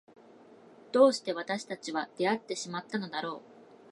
どうして私たちは出会ってしまったのだろう。